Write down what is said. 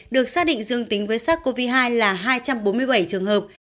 được xác định dương tính với sars cov hai là hai trăm bốn mươi bảy trường hợp